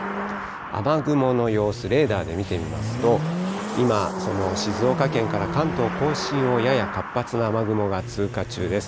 雨雲の様子、レーダーで見てみますと、今、その静岡県から関東甲信をやや活発な雨雲が通過中です。